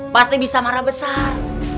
pasti bisa marah besar